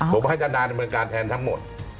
ผมให้ด้านนายเป็นการแทนทั้งหมด